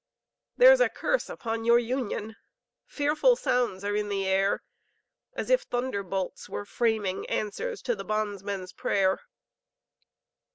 There's a curse upon your Union, Fearful sounds are in the air; As if thunderbolts were framing, Answers to the bondsman's prayer.